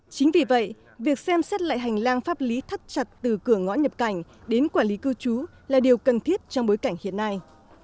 chính vì vậy việc xem xét lại hành lang pháp lý thắt chặt từ cửa ngõ nhập cảnh đến quản lý cư trú là điều cần thiết trong bối cảnh hiện nay